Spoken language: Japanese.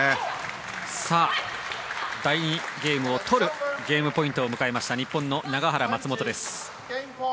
第２ゲームを取るゲームポイントを迎えた日本の永原、松本です。